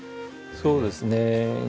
そうですね。